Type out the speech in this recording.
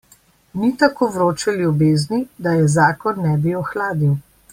Ni je tako vroče ljubezni, da je zakon ne bi ohladil.